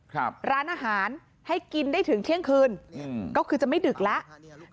ครับร้านอาหารให้กินได้ถึงเที่ยงคืนอืมก็คือจะไม่ดึกแล้ว